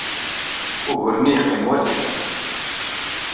Ugur-nni yeqqim war tifrat.